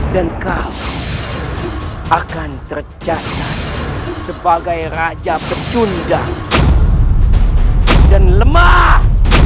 dan kau akan tercatat sebagai raja pecunda dan lemah